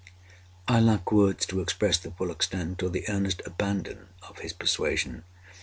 I lack words to express the full extent, or the earnest abandon of his persuasion.